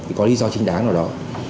thì có lý do chính đáng nào đó